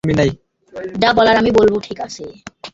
যা বলার আমি বলব, ঠিক আছে?